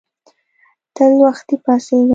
تل وختي پاڅیږه